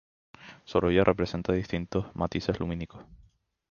Sorolla, representa distintos matices lumínicos.